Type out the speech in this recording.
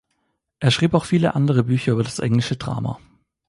Er schrieb auch viele andere Bücher über das englische Drama.